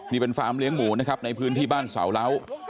นี่เป็นฟาร์มเลี้ยงหมูนะครับในพื้นที่บ้านเสาเหล้า